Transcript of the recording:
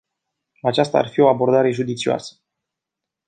Aceasta ar fi o abordare judicioasă.